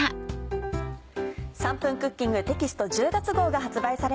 『３分クッキング』テキスト１０月号が発売されました。